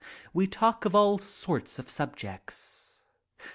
We talk of all sorts of subjects.